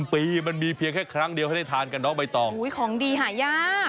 ปีมันมีเพียงแค่ครั้งเดียวให้ได้ทานกันน้องใบตองของดีหายาก